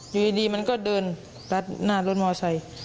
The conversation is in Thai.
อยู่ดีมันก็เดินละหน้ารถมอเซ้ย